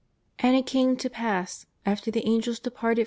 "And it came to pass after the Angels departed from * Pa.